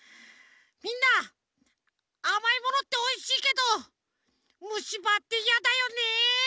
みんなあまいものっておいしいけどむしばっていやだよね。